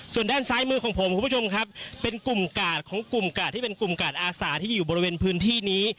ส่วนด้านซ้ายมือของผมคุณผู้ชมครับเป็นกลุ่มกาดอาสาที่อยู่บริเวณพื้นที่นี้